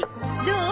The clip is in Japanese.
どう？